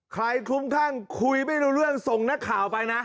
คลุ้มคลั่งคุยไม่รู้เรื่องส่งนักข่าวไปนะ